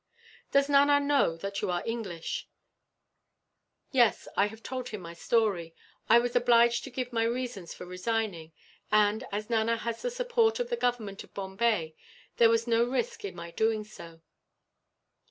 "Does Nana know that you are English?" "Yes, I have told him my story. I was obliged to give my reasons for resigning and, as Nana has the support of the Government of Bombay, there was no risk in my doing so.